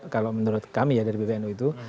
kalau menurut kami ya dari pbnu itu